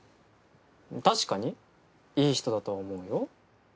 確かにいい人だとは思うよ。